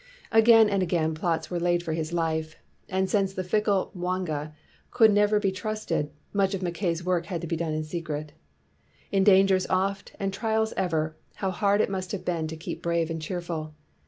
Again and again plots were laid for his life; and since the fickle Mwanga could never be trusted, much of Mackay's work had to be done in secret. In dangers oft and trials ever, how hard it must have been to keep brave and cheerful!